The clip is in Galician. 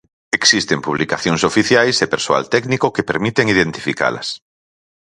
Existen publicacións oficiais e persoal técnico que permiten identificalas.